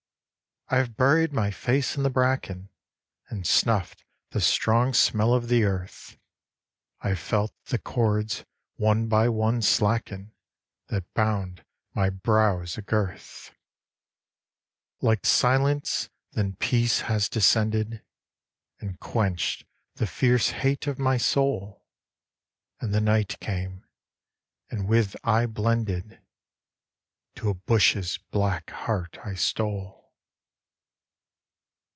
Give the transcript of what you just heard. I have buried my face in the bracken, And snuffed the strong smell of the earth. I have felt tho cords, one by one, slacken That bound my brow as a girth. 20 IN THE NET OF THE STARS Like silence, then peace has descended, And quenched the fierce hate of my soul ; And the night came, and with I blended ; To a bush's black heart I stole.